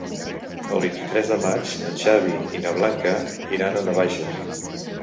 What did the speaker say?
El vint-i-tres de maig en Xavi i na Blanca iran a Navaixes.